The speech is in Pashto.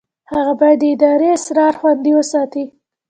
هغه باید د ادارې اسرار خوندي وساتي.